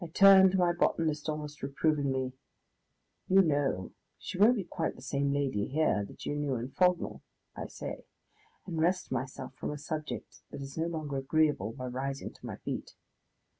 I turn to my botanist almost reprovingly. "You know, she won't be quite the same lady here that you knew in Frognal," I say, and wrest myself from a subject that is no longer agreeable by rising to my feet.